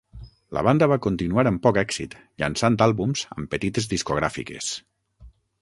La banda va continuar amb poc èxit, llançant àlbums amb petites discogràfiques.